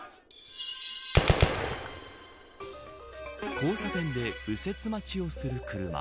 交差点で右折待ちをする車。